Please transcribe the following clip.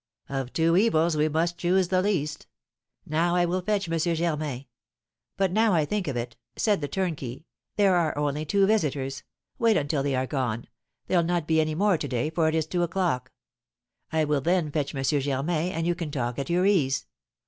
"Of two evils we must choose the least. Now I will fetch M. Germain. But now I think of it," said the turnkey, "there are only two visitors; wait until they are gone, there'll not be any more to day, for it is two o'clock. I will then fetch M. Germain, and you can talk at your ease.